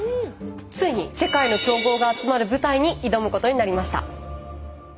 ついに世界の強豪が集まる舞台に挑むことになりました。